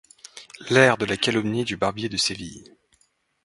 l’air de la calomnie du Barbier de Séville.